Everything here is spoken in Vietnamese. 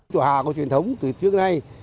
chùa hà có truyền thống từ trước nay